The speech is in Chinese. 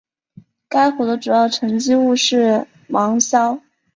该湖的主要沉积物是芒硝。